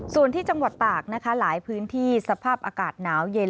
ส่วนที่จังหวัดตากนะคะหลายพื้นที่สภาพอากาศหนาวเย็น